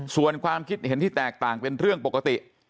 ส่วนความคิดเห็นที่แตกต่างเป็นเรื่องปกติ